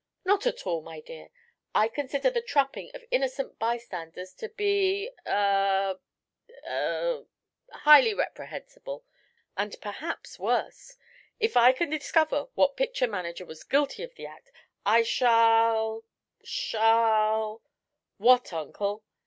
"Not at all, my dear. I consider the trapping of innocent bystanders to be eh er highly reprehensible, and perhaps worse. If I can discover what picture manager was guilty of the act, I shall shall " "What, Uncle?"